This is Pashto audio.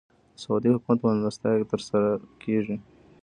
د سعودي حکومت په مېلمستیا تر سره کېږي.